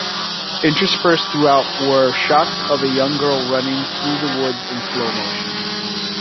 Interspersed throughout were shots of a young girl running through the woods in slow-motion.